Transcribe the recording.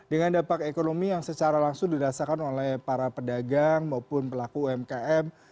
dengan dampak ekonomi yang secara langsung dirasakan oleh para pedagang maupun pelaku umkm